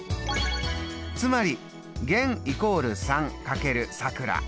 つまり玄＝３×さくら。